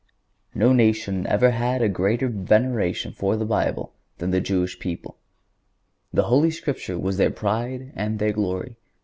No nation ever had a greater veneration for the Bible than the Jewish people. The Holy Scripture was their pride and their glory.